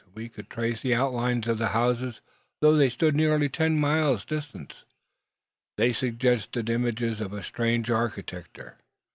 We could trace the outlines of the houses, though they stood nearly ten miles distant. They suggested images of a strange architecture.